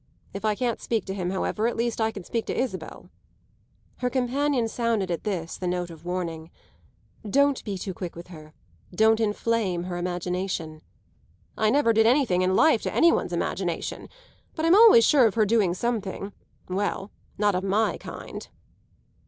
If I can't speak to him, however, at least I can speak to Isabel." Her companion sounded at this the note of warning. "Don't be too quick with her. Don't inflame her imagination." "I never did anything in life to any one's imagination. But I'm always sure of her doing something well, not of my kind."